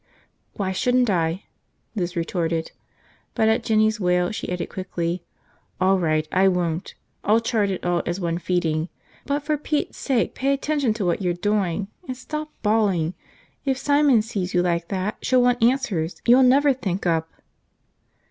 "Why shouldn't I?" Lizette retorted, but at Jinny's wail she added quickly, "All right, I won't. I'll chart it all as one feeding. But for Pete's sake pay attention to what you're doing! And stop bawling! If Simon sees you like that she'll want answers you'll never think up!"